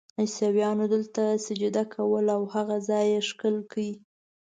عیسویانو دلته سجده کوله او هغه ځای یې ښکل کړ.